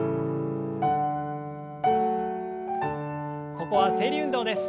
ここは整理運動です。